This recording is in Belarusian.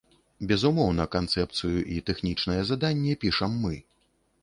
Безумоўна, канцэпцыю і тэхнічнае заданне пішам мы.